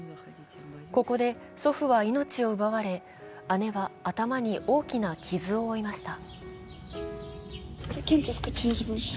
ここで祖父は命を奪われ、姉は頭に大きな傷を負いました。